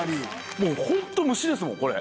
もうホント虫ですもんこれ。